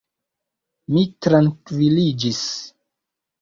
Mi trankviliĝis.